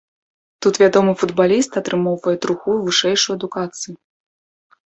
Тут вядомы футбаліст атрымоўвае другую вышэйшую адукацыю.